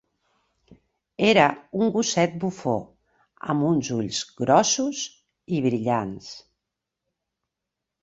Era un gosset bufó, amb uns ulls grossos i brillants.